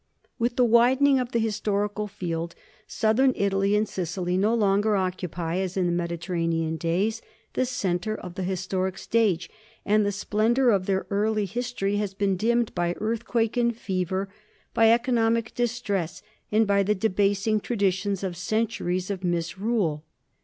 With the widening of the historical field, southern Italy and Sicily no longer occupy, as in Mediterranean days, the centre of the historic stage, and the splendor of their early his tory has been dimmed by earthquake and fever, by economic distress, and by the debasing traditions of centuries of misrule.